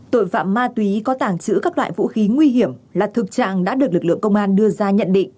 tội phạm ma túy có tàng trữ các loại vũ khí nguy hiểm là thực trạng đã được lực lượng công an đưa ra nhận định